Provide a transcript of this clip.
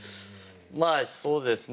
まあそうですね